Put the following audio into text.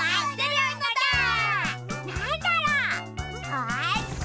よし！